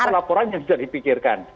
atau laporannya tidak dipikirkan